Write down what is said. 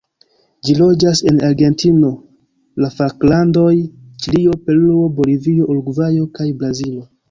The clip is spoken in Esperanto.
Ĝi loĝas en Argentino, la Falklandoj, Ĉilio, Peruo, Bolivio, Urugvajo, kaj Brazilo.